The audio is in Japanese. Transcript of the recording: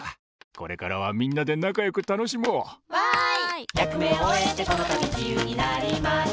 これからはみんなでなかよくたのしもう！わい！